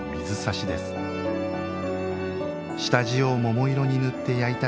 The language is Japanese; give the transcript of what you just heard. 下地を桃色に塗って焼いた